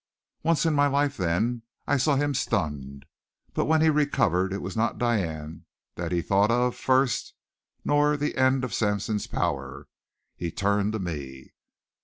Once in my life, then, I saw him stunned. But when he recovered it was not Diane that he thought of first, nor of the end of Sampson's power. He turned to me.